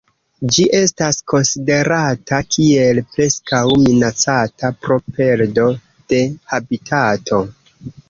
Ĝi estas konsiderata kiel Preskaŭ Minacata pro perdo de habitato.